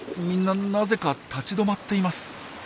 みんななぜか立ち止まっています。